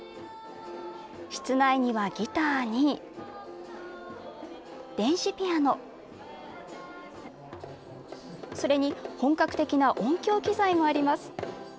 室内には、ギターに電子ピアノそれに本格的な音響機材もあります。